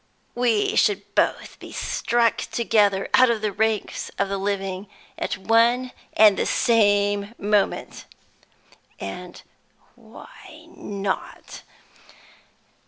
We should both be struck together out of the ranks of the living at one and the same moment. And why not?